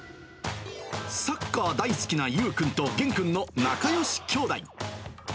サッカー大好きな勇くんと元くんの仲よし兄弟。